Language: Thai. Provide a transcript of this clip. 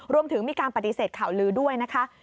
รวมถึงมีการปฏิเสธข่าวลือด้วยนะคะ